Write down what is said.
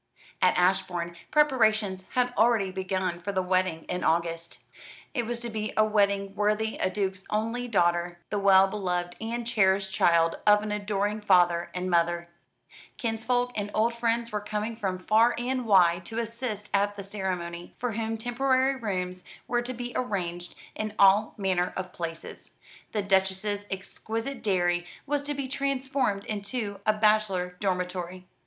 At Ashbourne preparations had already begun for the wedding in August. It was to be a wedding worthy of a duke's only daughter, the well beloved and cherished child of an adoring father and mother. Kinsfolk and old friends were coming from far and wide to assist at the ceremony, for whom temporary rooms were to be arranged in all manner of places. The Duchess's exquisite dairy was to be transformed into a bachelor dormitory.